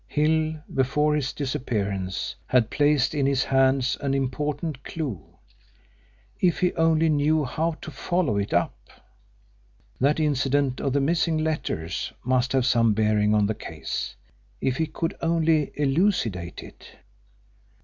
Hill, before his disappearance, had placed in his hands an important clue, if he only knew how to follow it up. That incident of the missing letters must have some bearing on the case, if he could only elucidate it.